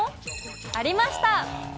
ありました。